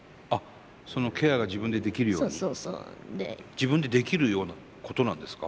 自分でできるようなことなんですか？